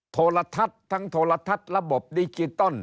โทรทัศน์ทั้งโทรทัศน์ระบบดิจิตอล